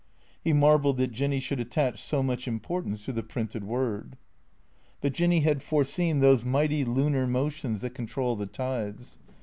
He marvelled that Jinny should attach so much importance to the printed word. But Jinny had foreseen those mighty lunar motions that con trol the tides.